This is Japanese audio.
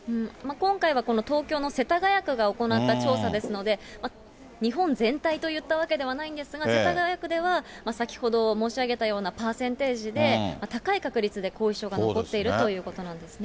今回は東京の世田谷区が行った調査ですので、日本全体といったわけではないんですが、世田谷区では先ほど申し上げたようなパーセンテージで、高い確率で後遺症が残っているということなんですね。